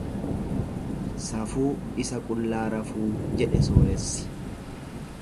Safuu isa qullaa rafuu jedhe sooressi.